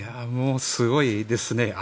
もうすごいですね。